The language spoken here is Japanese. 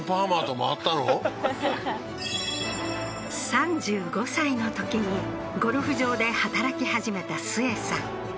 ３５歳の時にゴルフ場で働き始めたスエさん